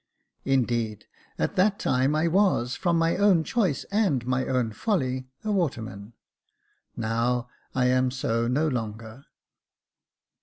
" Indeed, at that time I was, from my own choice and my own folly, a waterman : now I am so no longer."